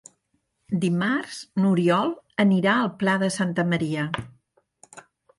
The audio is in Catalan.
Dimarts n'Oriol anirà al Pla de Santa Maria.